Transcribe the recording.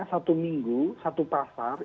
satu minggu satu pasar